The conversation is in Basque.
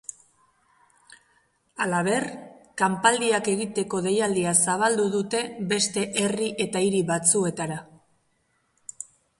Halaber, kanpaldiak egiteko deialdia zabaldu dute beste herri eta hiri batzuetara.